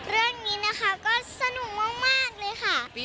เรื่องนี้นะคะก็สนุกมากเลยค่ะ